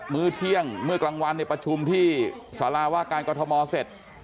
มื้อเที่ยงเมื่อกลางวันในประชุมที่สาลาวการกฎธมรณ์เสร็จ